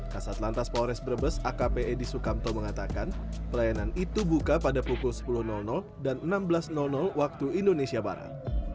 kasat lantas polres brebes akp edi sukamto mengatakan pelayanan itu buka pada pukul sepuluh dan enam belas waktu indonesia barat